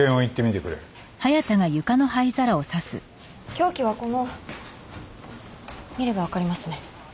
凶器はこの見れば分かりますね。